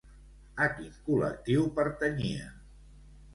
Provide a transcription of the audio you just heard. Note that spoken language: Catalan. A quin col·lectiu pertanyia?